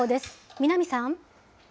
南さん。